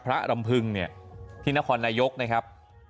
รำพึงเนี่ยที่นครนายกนะครับ